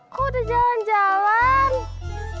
kok udah jalan jalan